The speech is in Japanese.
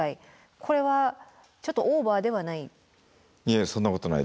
これはちょっとオーバーではない？